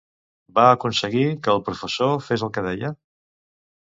Va aconseguir que el professor fes el que deia?